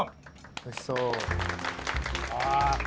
おいしそう。